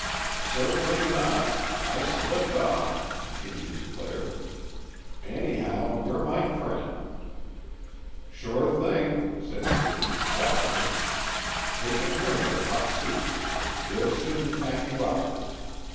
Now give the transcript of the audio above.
"Certainly not! I slipped off," Jimmy declared. "Anyhow, you're my friend." "Sure thing," said Deering quietly. "Take a drink of hot soup. We'll soon pack you out."